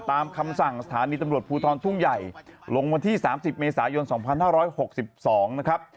ตามคำสั่งสถานีตำรวจภูทรทุ่งใหญ่ลงวันที่๓๐เมษายน๒๕๖๒นะครับ